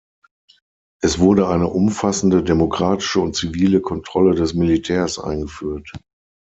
Es wurde eine umfassende demokratische und zivile Kontrolle des Militärs eingeführt.